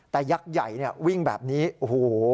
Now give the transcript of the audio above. แต่ยักษ์ใหญ่เนี่ยวิ่งแบบนี้โอ้โห